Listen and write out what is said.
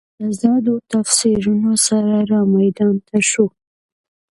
متضادو تفسیرونو سره رامیدان ته شو.